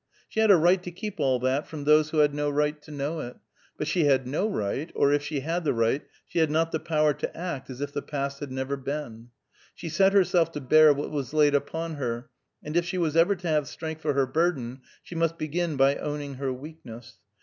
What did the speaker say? She had a right to keep all that from those who had no right to know it, but she had no right, or if she had the right, she had not the power to act as if the past had never been. She set herself to bear what was laid upon her, and if she was ever to have strength for her burden she must begin by owning her weakness.